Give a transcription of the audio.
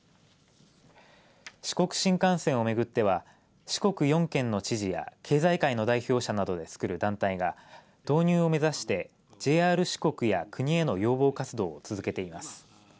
四国新幹線を巡っては四国４県の知事や経済界の代表者などでつくる団体が導入を目指してＪＲ四国や国への要望活動を続けています。